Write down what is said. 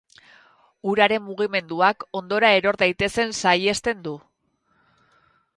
Uraren mugimenduak hondora eror daitezen saihesten du.